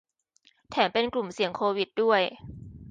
แถมเป็นกลุ่มเสี่ยงโควิดด้วย